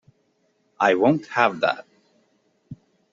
I won't have that.